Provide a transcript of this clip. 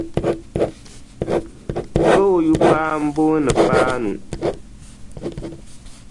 Ka o yupaa m-booni Paanu.